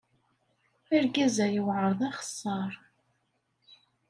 Argaz-a yewɛeṛ d axeṣṣar.